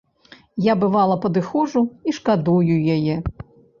Я, бывала, падыходжу і шкадую яе.